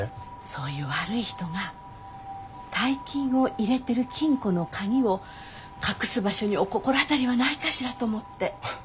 そういう悪い人が大金を入れてる金庫の鍵を隠す場所にお心当たりはないかしらと思って。